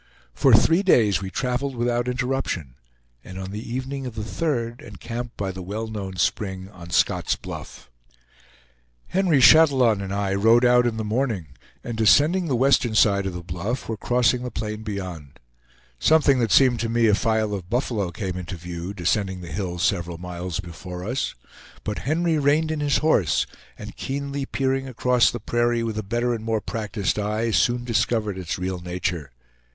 For three days we traveled without interruption, and on the evening of the third encamped by the well known spring on Scott's Bluff. Henry Chatillon and I rode out in the morning, and descending the western side of the Bluff, were crossing the plain beyond. Something that seemed to me a file of buffalo came into view, descending the hills several miles before us. But Henry reined in his horse, and keenly peering across the prairie with a better and more practiced eye, soon discovered its real nature.